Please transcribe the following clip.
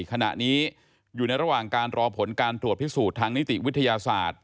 ขณะนี้อยู่ในระหว่างการรอผลการตรวจพิสูจน์ทางนิติวิทยาศาสตร์